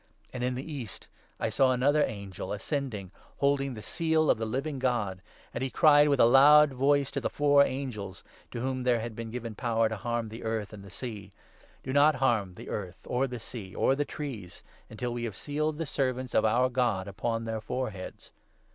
And, in the east, I saw another angel, 2 ascending, holding the seal of the Living God ; and he cried in a loud voice to the four angels, to whom there had been given power to harm the earth and the sea —' Do not harm the 3 earth, or the sea, or the trees, until we have sealed the servants of our God upon their foreheads.'